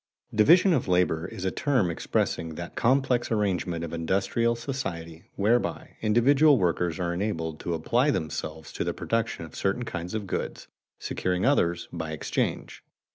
_Division of labor is a term expressing that complex arrangement of industrial society whereby individual workers are enabled to apply themselves to the production of certain kinds of goods, securing others by exchange.